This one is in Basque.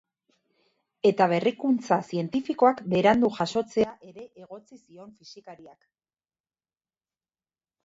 Eta berrikuntza zientifikoak berandu jasotzea ere egotzi zion fisikariak.